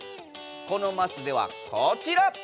このマスではこちら！